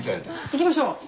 行きましょう。